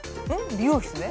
美容室で？